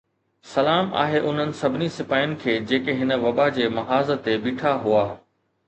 سلام آهي انهن سڀني سپاهين کي جيڪي هن وبا جي محاذ تي بيٺا هئا